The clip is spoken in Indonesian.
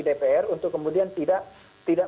dpr untuk kemudian tidak